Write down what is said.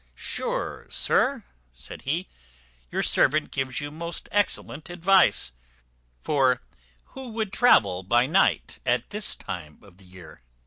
"Sure, sir," said he, "your servant gives you most excellent advice; for who would travel by night at this time of the year?"